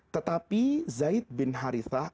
tetapi zaid bin harithah